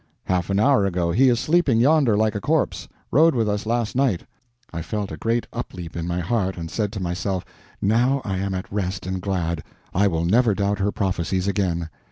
"Half an hour ago. He is sleeping yonder like a corpse. Rode with us last night." I felt a great upleap in my heart, and said to myself, now I am at rest and glad; I will never doubt her prophecies again.